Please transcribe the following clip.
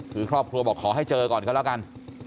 คือครอบครัวบอกขอให้เจอก่อนก็แล้วกัน